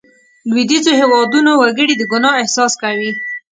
لوېدیځو هېوادونو وګړي د ګناه احساس کوي.